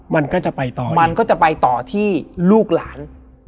มันก็จะไปต่อที่ลูกหลาน